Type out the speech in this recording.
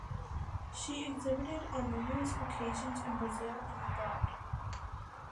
She exhibited on numerous occasions in Brazil and abroad.